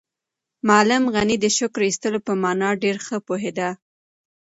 معلم غني د شکر ایستلو په مانا ډېر ښه پوهېده.